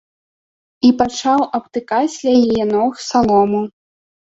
І пачаў абтыкаць ля яе ног салому.